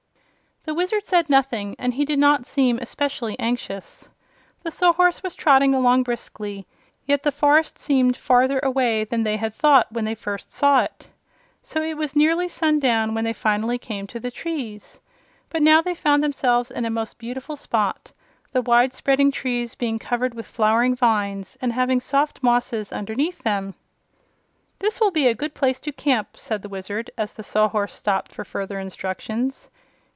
The Wizard said nothing, and he did not seem especially anxious. The Sawhorse was trotting along briskly, yet the forest seemed farther away than they had thought when they first saw it. So it was nearly sundown when they finally came to the trees; but now they found themselves in a most beautiful spot, the wide spreading trees being covered with flowering vines and having soft mosses underneath them. "This will be a good place to camp," said the Wizard, as the Sawhorse stopped for further instructions.